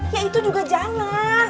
ya itu juga jangan